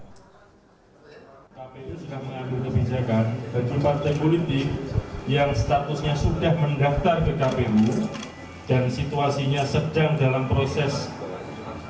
kpu sudah mengadu kebijakan dari tujuh belas partai politik